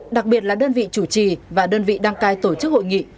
đặc biệt là đơn vị chủ trì và đơn vị đăng cai tổ chức hội nghị